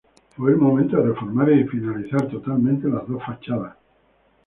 Fue el momento de reformar y finalizar, totalmente, las dos fachadas.